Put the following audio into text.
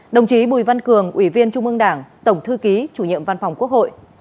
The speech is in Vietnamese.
đồng chí bùi văn cường ủy viên trung ương đảng tổng thư ký chủ nhiệm văn phòng quốc hội